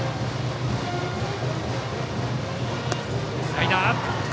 スライダー。